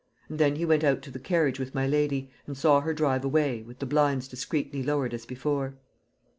And then he went out to the carriage with my lady, and saw her drive away, with the blinds discreetly lowered as before.